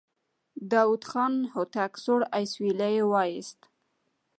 داوود خان هوتک سوړ اسويلی وايست.